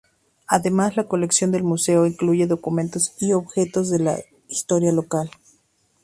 Además, la colección del museo incluye documentos y objetos de la historia local.